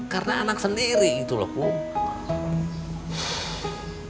karena anak sendiri gitu loh kum